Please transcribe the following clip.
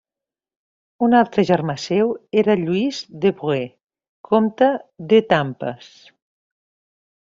Un altre germà seu era Lluís d'Évreux, comte d'Étampes.